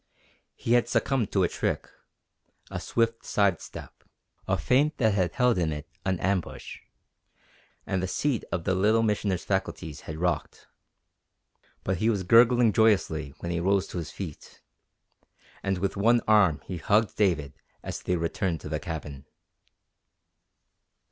He had succumbed to a trick a swift side step, a feint that had held in it an ambush, and the seat of the Little Missioner's faculties had rocked. But he was gurgling joyously when he rose to his feet, and with one arm he hugged David as they returned to the cabin.